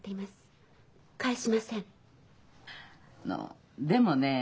あのでもねえ